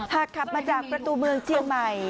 หากขับมาจากประตูเมืองเชียงใหม่